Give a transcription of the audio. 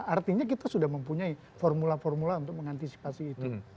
artinya kita sudah mempunyai formula formula untuk mengantisipasi itu